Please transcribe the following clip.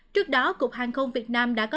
trước đó cục hàng không việt nam đã cố gắng đảm bảo